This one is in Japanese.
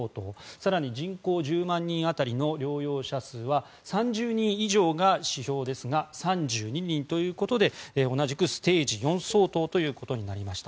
更に人口１０万人当たりの療養者数は３０人以上が指標ですが３２人ということで同じくステージ４相当ということになりました。